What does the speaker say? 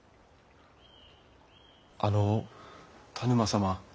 あの田沼様